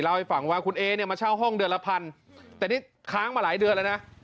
ให้ฟังว่าคุณเอเนี่ยมาเช่าห้องเดือนละพันแต่นี่ค้างมาหลายเดือนแล้วนะ